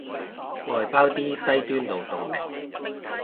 外包啲低端勞動力